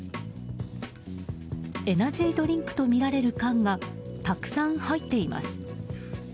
エナジードリンクとみられる缶がたくさん入っています。